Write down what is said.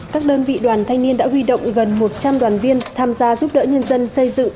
các đơn vị đoàn thanh niên đã huy động gần một trăm linh đoàn viên tham gia giúp đỡ nhân dân xây dựng